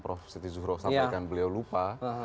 prof siti zuhro sampaikan beliau lupa